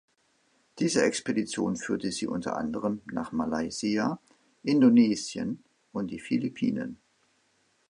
Diese Expedition führte sie unter anderem nach Malaysia, Indonesien und die Philippinen.